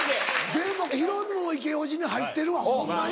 でもヒロミもイケおじに入ってるわホンマに。